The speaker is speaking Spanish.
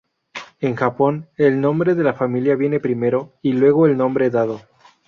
En Japón, el nombre de la familia viene primero, y luego el nombre dado.